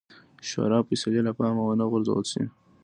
شورا فیصلې له پامه ونه غورځول شي.